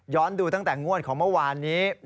ดูตั้งแต่งวดของเมื่อวานนี้